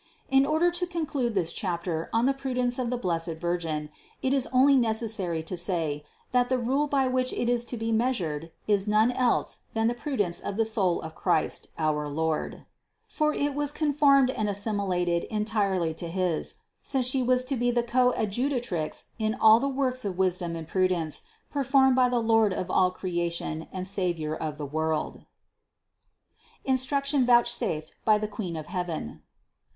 In order to conclude this chapter on the prudence of the blessed Virgin, it is only necessary to say, that the rule by which it is to be measured, is none else than the prudence of the soul of Christ, our Lord ; for it was conformed and as similated entirely to his, since She was to be the Coad jutrix in all the works of wisdom and prudence, per formed by the Lord of all creation and Savior of the world. INSTRUCTION VOUCHSAFED BY THE QUEEN OF HEAVEN.